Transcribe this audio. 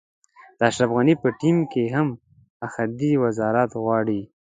د اشرف غني په ټیم کې هم احدي وزارت غواړي.